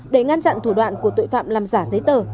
để ngăn chặn thủ đoạn của tội phạm làm giả giấy tờ